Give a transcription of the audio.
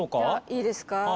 いいですか。